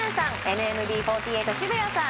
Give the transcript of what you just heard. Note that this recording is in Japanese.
ＮＭＢ４８渋谷さん